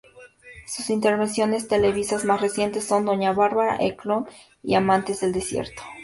Sus intervenciones televisivas más recientes son "Doña Bárbara", "El Clon" y "Amantes del desierto".